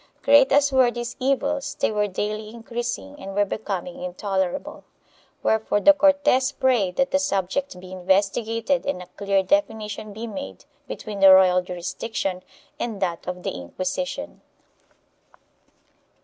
Great as were these evils they were daily increasing and were becoming intolerable, wherefore the Cortes prayed that the subject be investigated and a clear defi nition be made between the royal jurisdiction and that of the Inquisition.